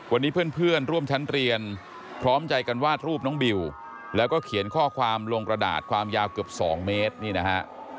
วันนี้เพื่อนร่วมชั้นเรียนพร้อมใจกันวาดรูปน้องบิวแล้วก็เขียนข้อความลงกระดาษความยาวเกือบ๒เมตรนี่นะฮะ